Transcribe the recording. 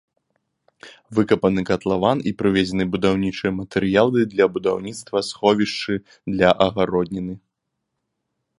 Выкапаны катлаван і прывезены будаўнічыя матэрыялы для будаўніцтва сховішчы для агародніны.